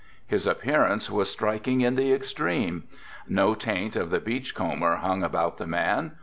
His appearance was striking in the extreme. No taint of the beach comber hung about the man.